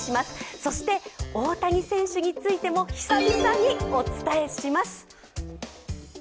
そして大谷選手についても久々にお伝えします。